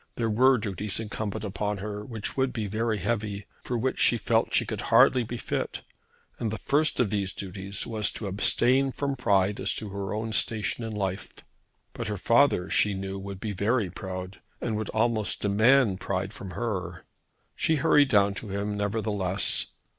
There were duties incumbent on her which would be very heavy, for which she felt that she could hardly be fit, and the first of these duties was to abstain from pride as to her own station in life. But her father she knew would be very proud, and would almost demand pride from her. She hurried down to him nevertheless.